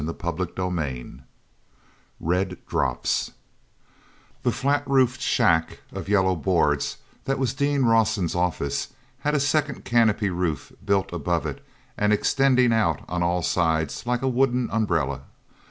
CHAPTER III Red Drops he flat roofed shack of yellow boards that was Dean Rawson's "office" had a second canopy roof built above it and extending out on all sides like a wooden umbrella.